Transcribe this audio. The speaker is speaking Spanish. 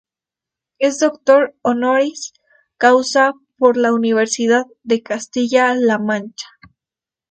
Es doctor honoris causa por la Universidad de Castilla-La Mancha.